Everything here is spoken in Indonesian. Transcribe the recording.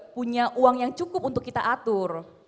punya uang yang cukup untuk kita atur